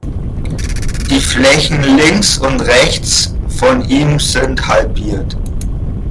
Die Flächen links und rechts von ihm sind halbiert.